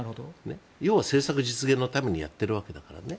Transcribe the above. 要は政策実現のためにやっているわけだからね。